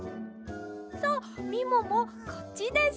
さっみももこっちです。